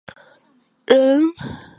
河东人。